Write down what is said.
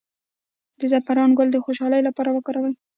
د زعفران ګل د خوشحالۍ لپاره وکاروئ